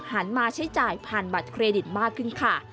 หันมาใช้จ่ายผ่านบัตรเครดิตมากขึ้นค่ะ